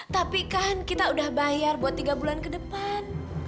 tapi kan kita udah bayar buat tiga bulan ke depan